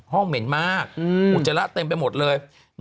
เหม็นมากอุจจาระเต็มไปหมดเลย